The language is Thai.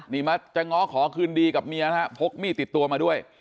นี่มาจะง้อขอคืนดีกับเมียนะฮะพกมีดติดตัวมาด้วย